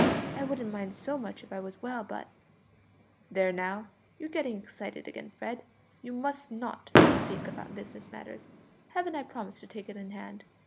I wouldn't mind so much if I was well, but " "There, now, you're getting excited again, Fred; you must not speak about business matters. Haven't I promised to take it in hand?